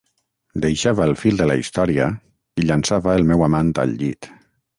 Deixava el fil de la història i llançava el meu amant al llit.